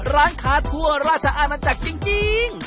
ร้านค้าทั่วราชอาณาจักรจริง